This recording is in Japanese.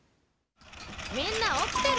みんなおきてる？